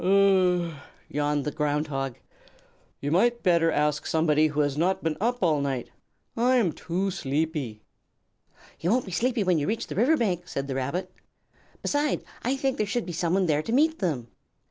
"Ah h h," yawned the Ground Hog. "You might better ask somebody who has not been up all night. I am too sleepy." "You won't be sleepy when you reach the river bank," said the Rabbit. "Beside, I think there should be someone there to meet them."